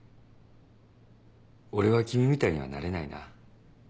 俺は君みたいにはなれないな。